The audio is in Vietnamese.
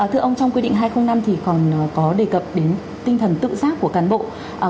thưa ông trong quy định hai trăm linh năm thì còn có đề cập đến tinh thần tự giác của cán bộ